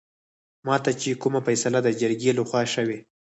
ماته چې کومه فيصله دجرګې لخوا شوې